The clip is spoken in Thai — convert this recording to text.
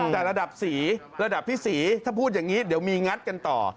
แต่ระดับสีระดับพี่ศรีถ้าพูดอย่างนี้เดี๋ยวมีงัดกันต่อ